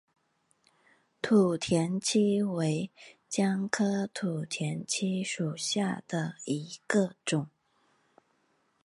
土田七为姜科土田七属下的一个种。